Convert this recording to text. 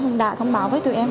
cũng đã thông báo với tụi em